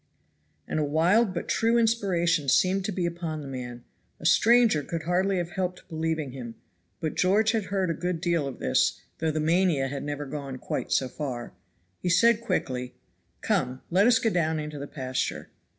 And a wild but true inspiration seemed to be upon the man; a stranger could hardly have helped believing him, but George had heard a good deal of this, though the mania had never gone quite so far. He said quickly, "Come, let us go down into the pasture."